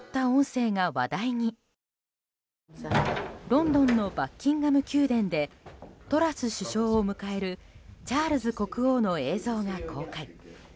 ロンドンのバッキンガム宮殿でトラス首相を迎えるチャールズ国王の映像が公開。